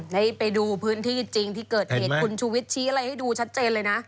ได้ไปดูพื้นที่จริงที่เกิดเหตุคุณชูวิทย์ชี้อะไรให้ดูชัดเจนเลยนะ